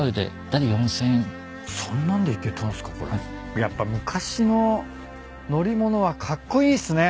やっぱ昔の乗り物はカッコイイっすね。